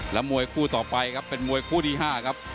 และมวยคู่ต่อไปครับเป็นมวยคู่ที่๕ครับ